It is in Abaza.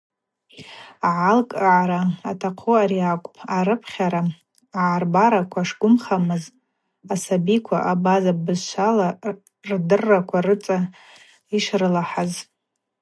Йгӏалкӏгӏара атахъу ари акӏвпӏ – арыпхьара агӏарбараква шгвымхамыз, асабиквагьи абаза бызшвала рдырраква рыцӏа йшрылахӏаз.